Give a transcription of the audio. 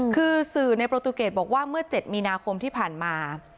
คือสื่อในโปรตูเกตบอกว่าเมื่อ๗มีนาคมที่ผ่านมา